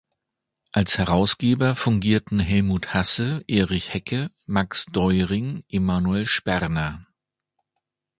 Als Herausgeber fungierten Helmut Hasse, Erich Hecke, Max Deuring, Emanuel Sperner.